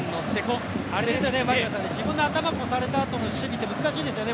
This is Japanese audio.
自分の頭を越されたあとの守備って難しいですよね。